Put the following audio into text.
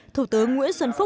thủ tướng nguyễn xuân phúc